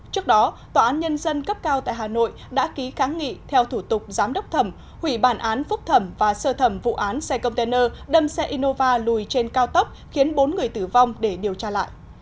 trước đó tòa án nhân dân cấp cao tại hà nội đã ký kháng nghị theo thủ tục giám đốc thẩm hủy bản án phúc thẩm và sơ thẩm vụ án xe container đâm xe innova lùi trên cao tốc khiến bốn người tử vong để điều tra lại